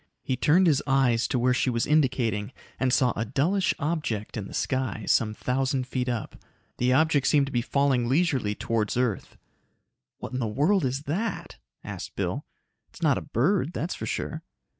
He turned his eyes to where she was indicating and saw a dullish object in the sky, some thousand feet up. The object seemed to be falling leisurely towards earth. "What in the world is that?" asked Bill. "It's not a bird, that's for sure."